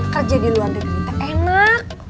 kerja di luar negeri enak